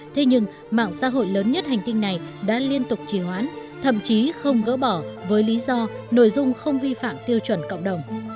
thế nhưng mạng xã hội lớn nhất hành tinh này đã liên tục trì hoãn thậm chí không gỡ bỏ với lý do nội dung không vi phạm tiêu chuẩn cộng đồng